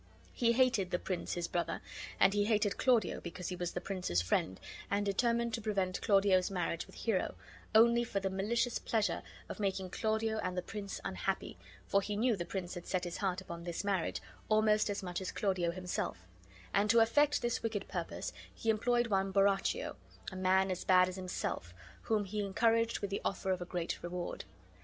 He hated the prince his brother, and he hated Claudio because he was the prince's friend, and determined to prevent Claudio's marriage with Hero, only for the malicious pleasure of making Claudio and the prince unhappy, for he knew the prince had set his heart upon this marriage almost as much as Claudio himself; and to effect this wicked purpose he employed one Borachio, a man as bad as himself, whom he encouraged with the offer of a great reward.